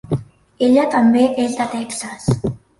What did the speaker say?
Ella també és de Texas.